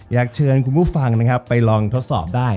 อยากเชิญคุณผู้ฟังนะครับไปลองทดสอบได้